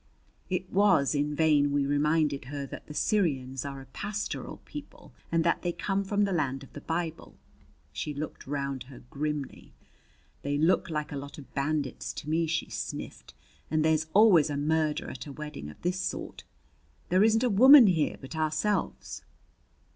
It was in vain we reminded her that the Syrians are a pastoral people and that they come from the land of the Bible. She looked round her grimly. "They look like a lot of bandits to me," she sniffed. "And there's always a murder at a wedding of this sort. There isn't a woman here but ourselves!"